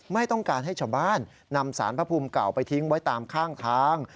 ไม่ต้องการให้ชาวบ้านนำสารพระภูมิเก่าไปทิ้งไว้ตามข้างทาง